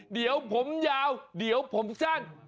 เดี๋ยวผมยาวเดี๋ยวผมสั้น